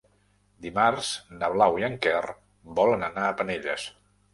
Dimarts na Blau i en Quer volen anar a Penelles.